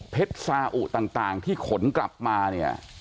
ซาอุต่างที่ขนกลับมาเนี่ย